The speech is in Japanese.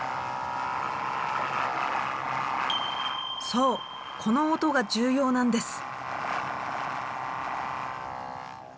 そうこの音が重要なんです。